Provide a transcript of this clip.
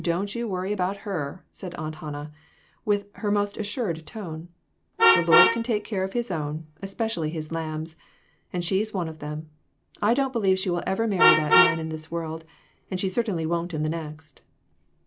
"Don't you worry about her," said Aunt Han nah, in her most assured tone; "the Lord can take care of His own, especially His lambs, and she's one of them. I don't believe she will ever marry that man in this world ; and she certainly won't in the next."